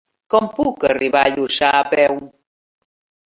Com puc arribar a Lluçà a peu?